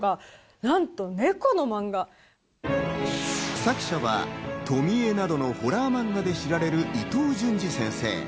作者は『富江』などのホラー漫画で知られる伊藤潤二先生。